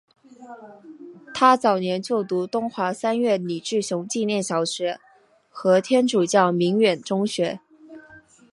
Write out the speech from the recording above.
他早年就读东华三院李志雄纪念小学和天主教鸣远中学。